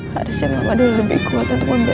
harusnya mama dulu lebih kuat untuk membantu